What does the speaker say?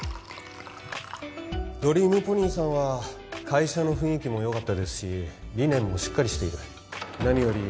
ドリームポニーさんは会社の雰囲気もよかったですし理念もしっかりしている何より開発予定のプロダクトが面白い